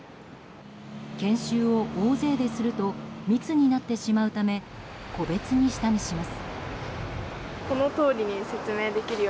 研修を大勢ですると密になってしまうため個別に下見します。